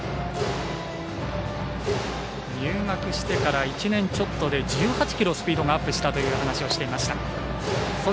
入学してから１年ちょっとで１８キロスピードが上がったという話をしていました。